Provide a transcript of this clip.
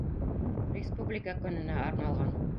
Республика көнөнә арналған